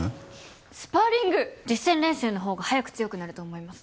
実戦練習のほうが早く強くなると思います。